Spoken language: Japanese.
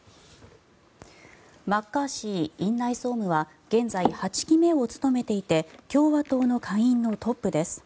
マッカーシー院内総務は現在、８期目を務めていて共和党の下院のトップです。